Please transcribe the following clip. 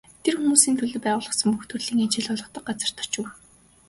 Тэр хүмүүсийн төлөө байгуулагдсан бүх төрлийн ажил олгодог газарт очив.